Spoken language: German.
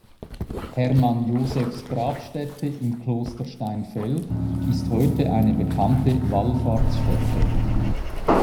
Hermann Josephs Grabstätte im Kloster Steinfeld ist heute eine bekannte Wallfahrtsstätte.